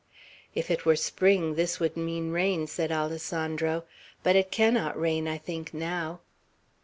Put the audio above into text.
"If it were spring, this would mean rain," said Alessandro; "but it cannot rain, I think, now."